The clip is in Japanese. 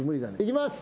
いきます。